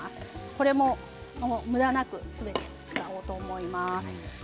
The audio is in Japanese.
これもむだなくすべて使おうと思います。